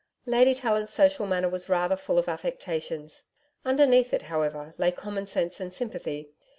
Lady Tallant's social manner was rather full of affectations. Underneath it, however, lay commonsense and sympathy.